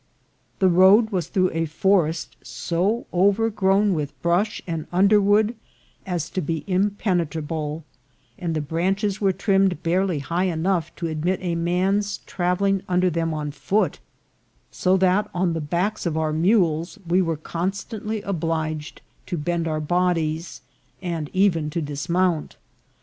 The road was through a forest so overgrown with brush and un derwood as to be impenetrable, and the branches were trimmed barely high enough to admit a man's travelling under them on foot, so that on the backs of our mules we were constantly obliged to bend our bodies, and even to dismount.